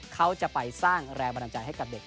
เขาจะไปสร้างแรงบันดาลใจให้กับเด็ก